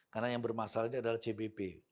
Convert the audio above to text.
karena yang bermasalah ini adalah cbp